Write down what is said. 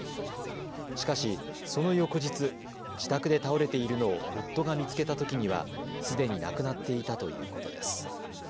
しかし、その翌日、自宅で倒れているのを夫が見つけたときには、すでに亡くなっていたということです。